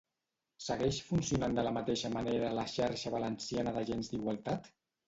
Segueix funcionant de la mateixa manera la Xarxa Valenciana d'Agents d'Igualtat?